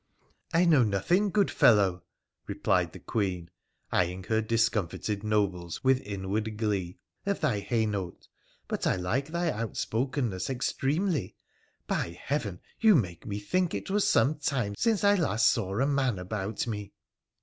' I know nothing, good fellow,' replied the Queen, eyeing her discomfited nobles with inward glee, ' of thy Hainault, but I like thy outspokenness extremely. By Heaven ! you make me think it was some time since I last saw a man about me.'